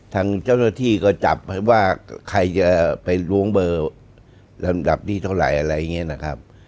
ทางเจ้าหน้าที่ก็จับให้ว่าใครจะไปล้วงเบอร์ลำดับที่เท่าไหร่อะไรอย่างนี้นะครับ